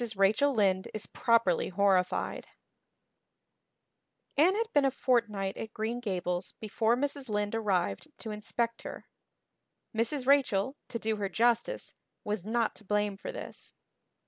Rachel Lynde Is Properly Horrified ANNE had been a fortnight at Green Gables before Mrs. Lynde arrived to inspect her. Mrs. Rachel, to do her justice, was not to blame for this.